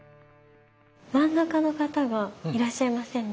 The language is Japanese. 真ん中の方がいらっしゃいませんね。